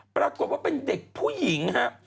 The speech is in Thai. ปรากฏว่าเป็นเด็กผู้หญิงครับ